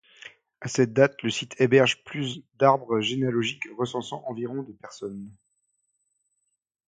À cette date, le site héberge plus de arbres généalogiques recensant environ de personnes.